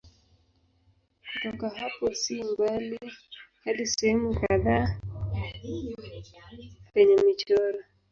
Kutoka hapo si mbali hadi sehemu kadhaa penye michoro.